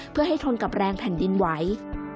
เพื่อให้ทนกับแรงแผ่นดินไหว